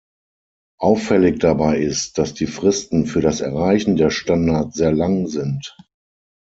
Auffällig dabei ist, dass die Fristen für das Erreichen der Standards sehr lang sind.